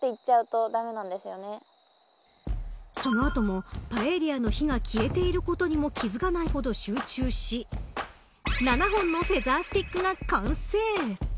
その後もパエリアの火が消えていることにも気づかないほど集中し７本のフェザースティックが完成。